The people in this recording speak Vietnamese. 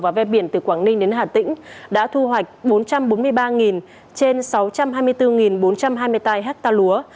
và ven biển từ quảng ninh đến hà tĩnh đã thu hoạch bốn trăm bốn mươi ba trên sáu trăm hai mươi bốn bốn trăm hai mươi tám ha lúa